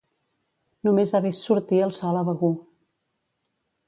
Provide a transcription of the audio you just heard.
Només ha vist sortir el sol a Begur.